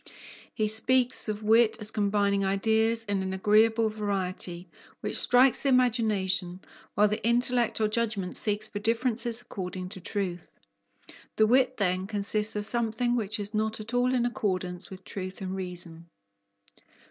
He speaks of wit as combining ideas in an agreeable variety, which strikes the imagination, while the intellect or judgment seeks for differences according to truth. The wit, then, consists of something which is not at all in accordance with truth and reason.